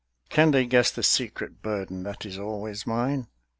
Can they guess The secret burden that is always mine?